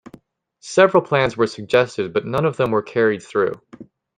Several plans were suggested, but none of them were carried through.